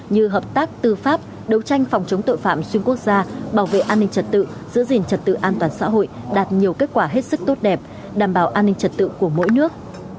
như hợp tác tư pháp đấu tranh phòng chống tội phạm xuyên quốc gia bảo vệ an ninh trật tự giữ gìn trật tự an toàn xã hội đạt nhiều kết quả hết sức tốt đẹp đảm bảo an ninh trật tự của mỗi nước